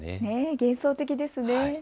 幻想的ですね。